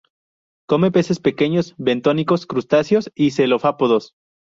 Come peces pequeños bentónicos, crustáceo s y cefalópodos.